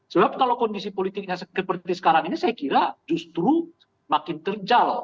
sebab kalau kondisi politiknya seperti sekarang ini saya kira justru makin terjal